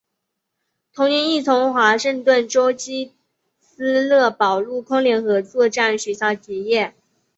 同年亦从华盛顿州基斯勒堡陆空联合作战学校结业。